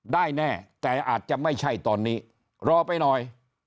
แน่แต่อาจจะไม่ใช่ตอนนี้รอไปหน่อย